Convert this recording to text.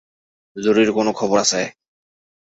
জরুরি কোনো খবর আছে।